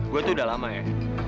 gue tuh udah lama ya